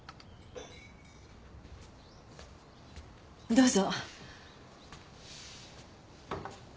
どうぞ。